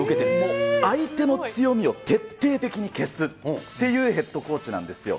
相手の強みを徹底的に消すっていうヘッドコーチなんですよ。